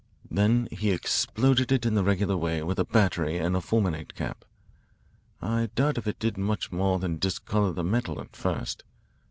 Then he exploded it in the regular way with a battery and a fulminate cap. I doubt if it did much more than discolour the metal at first.